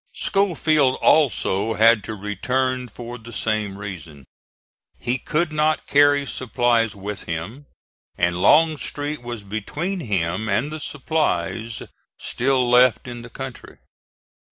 Schofield also had to return for the same reason. He could not carry supplies with him, and Longstreet was between him and the supplies still left in the country.